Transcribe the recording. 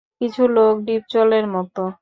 কিছু লোক ডিপজলের মতো।